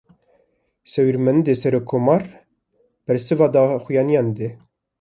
Şêwirmendê serokkomar, bersiva daxuyaniyan dide